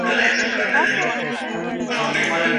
زده کړه پر هر مسلمان فرض ده.